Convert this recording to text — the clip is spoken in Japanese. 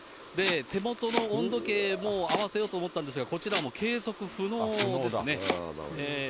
手元の温度計も合わせようと思ったんですが、こちらもう計測不能ですね。